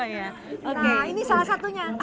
nah ini salah satunya